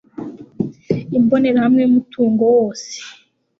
imbonerahamwe y'umutungo wose